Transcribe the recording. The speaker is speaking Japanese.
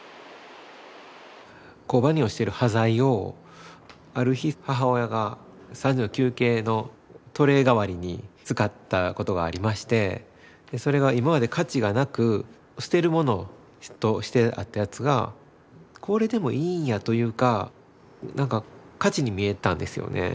工場に落ちてる端材をある日母親が３時の休憩のトレー代わりに使ったことがありましてそれが今まで価値がなく捨てるものとしてあったやつがこれでもいいんやというか何か価値に見えたんですよね。